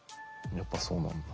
やっぱそうなんだ。